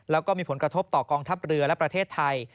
แล้วก็มีผลกระทบต่อกองทัพเรือและประเทศไทย